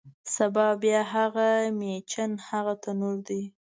سبا بیا هغه میچن، هغه تنور دی